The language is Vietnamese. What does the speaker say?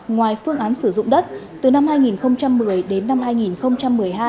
ngoài phương án sử dụng đất từ năm hai nghìn một mươi đến năm hai nghìn một mươi hai